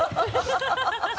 ハハハ